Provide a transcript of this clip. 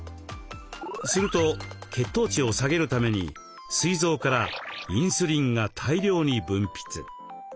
すると血糖値を下げるためにすい臓からインスリンが大量に分泌。